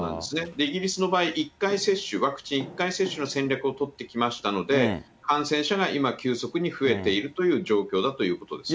イギリスの場合、１回接種、ワクチン１回接種の戦略を取ってきましたので、感染者が今、急速に増えているという状況だということですね。